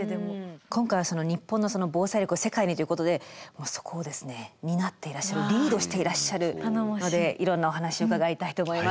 今回はその日本の防災力を世界にということでそこをですね担っていらっしゃるリードしていらっしゃるのでいろんなお話伺いたいと思います。